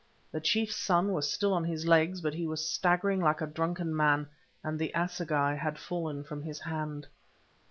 The chief's son was still on his legs, but he was staggering like a drunken man, and the assegai had fallen from his hand.